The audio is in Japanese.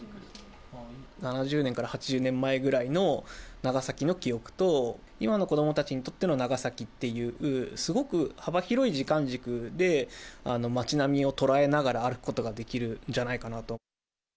７０年から８０年前ぐらいの長崎の記憶と、今の子どもたちにとっての長崎っていう、すごく幅広い時間軸で、街並みを捉えながら歩くことができるんじゃないかなと。